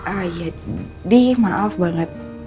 ah ya dih maaf banget